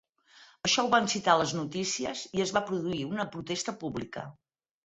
Això ho van citar a les notícies i es va produir una protesta pública.